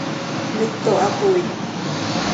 ¡Mito hapooin!